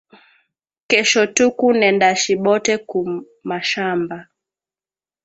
Kesho tuku nenda shibote ku mashamba